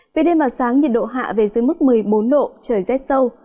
về đêm và sáng nhiệt độ hạ về dưới mức một mươi bốn độ trời rét sâu